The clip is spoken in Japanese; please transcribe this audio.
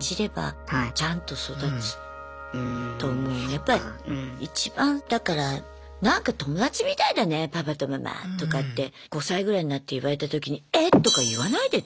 やっぱり一番だから「なんか友達みたいだねパパとママ」とかって５歳ぐらいになって言われたときに「えっ？」とか言わないでね。